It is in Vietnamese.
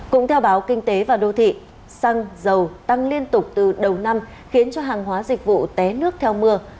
cũng theo báo kinh tế và đô thị xăng dầu tăng liên tục từ đầu năm khiến cho hàng hóa dịch vụ té nước theo mưa